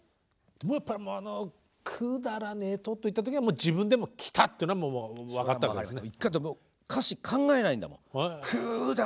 やっぱりあの「くだらねえと」って言った時には自分でも「来た！」っていうのはもう分かったわけですね。